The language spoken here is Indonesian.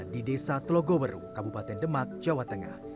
di desa telogoweru kabupaten demak jawa tengah